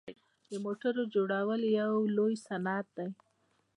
د موټرو جوړول یو لوی صنعت دی.